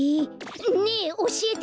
ねえおしえて！